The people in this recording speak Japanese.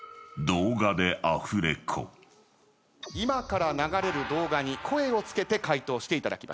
今から流れる動画に声を付けて回答していただきます。